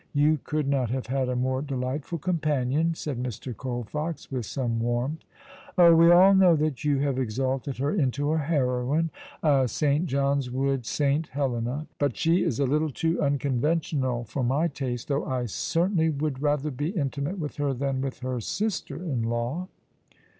You could not have had a more delightful companion," said Mr. Colfox, with some warmth. " Oh, we all know that you have exalted her into a heroine a St. John's Wood St. Helena. But she is a little too unconventional for my taste; though I certainly would rather be intimate with her than with her sister in law."